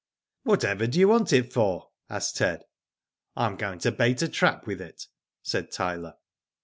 "Whatever do you want it for?" asked Ted. '* I am going to bait a trap with it," said Tyler.